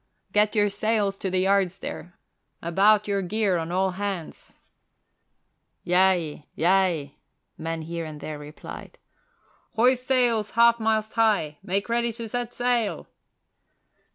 "Get your sails to the yards there about your gear on all hands!" "Yea, yea!" men here and there replied. "Hoist sails half mast high make ready to set sail!"